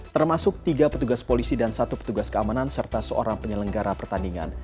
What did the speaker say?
termasuk tiga petugas polisi dan satu petugas keamanan serta seorang penyelenggara pertandingan